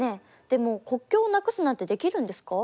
でも国境をなくすなんてできるんですか？